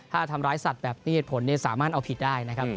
ถ้าทำร้ายสัตว์แบบนี้เหตุผลสามารถเอาผิดได้นะครับ